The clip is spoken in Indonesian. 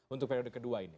untuk periode kedua ini